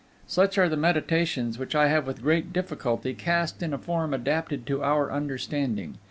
Such are the meditations which I have with great difficulty cast in a form adapted to our understanding.